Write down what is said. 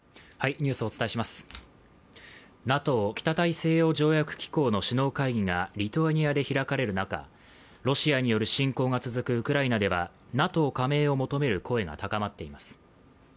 ＮＡＴＯ＝北大西洋条約機構の首脳会議がリトアニアで開かれる中、ロシアによる侵攻が続くウクライナでは、ＮＡＴＯ加盟を求める声が高まっています。